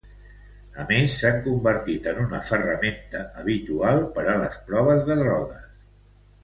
A més, s'han convertit en una ferramenta habitual per a les proves de drogues.